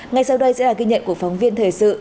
ngay sau đây sẽ là ghi nhận của phóng viên thời sự